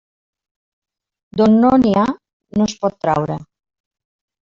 D'on no hi ha, no es pot traure.